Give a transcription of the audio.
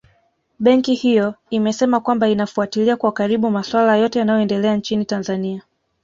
Benki hiyo imesema kwamba inafuatilia kwa karibu maswala yote yanayoendelea nchini Tanzania